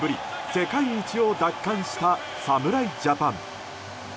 世界一を奪還した侍ジャパン。